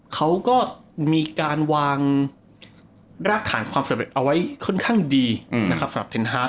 เขาก็มีการวางรากฐานความสำเร็จเอาไว้ค่อนข้างดีนะครับสำหรับเทนฮาร์ด